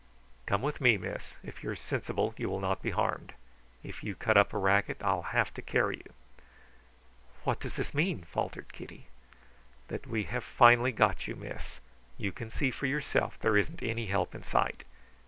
"Come with me, miss. If you are sensible you will not be harmed. If you cut up a racket I'll have to carry you." "What does this mean?" faltered Kitty. "That we have finally got you, miss. You can see for yourself that there isn't any help in sight.